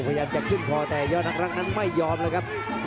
พยายามจะขึ้นคอแต่ยอดนักรักนั้นไม่ยอมแล้วครับ